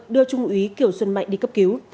đưa trung úy kiều xuân mạnh đi cấp cứu